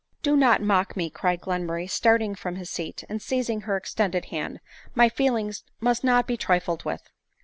55 " Do not mock me," cried Glenmurray starting from his seat, and seizing her extended hand; "my feelings must not be trifled with."